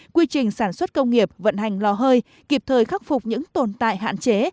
quy trình sản xuất công nghiệp vận hành lò hơi kịp thời khắc phục những tồn tại hạn chế